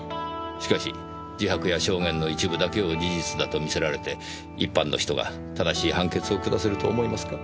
しかし自白や証言の一部だけを事実だと見せられて一般の人が正しい判決を下せると思いますか？